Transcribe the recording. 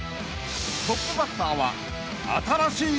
［トップバッターは］